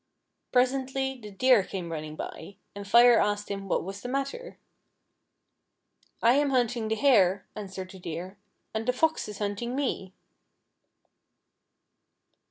Presently the Deer came running bj', and Fire asked him what was the matter. " I am hunting the Hare," answered the Deer; " and the Fox is hunting me."